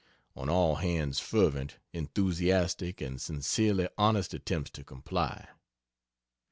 (On all hands fervent, enthusiastic, and sincerely honest attempts to comply.)